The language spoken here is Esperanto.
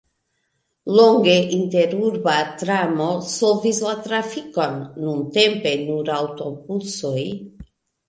Longe interurba tramo solvis la trafikon, nuntempe nur aŭtobusoj.